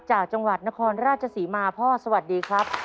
จากจังหวัดนครราชศรีมาพ่อสวัสดีครับ